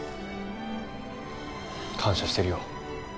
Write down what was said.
感謝してるよ。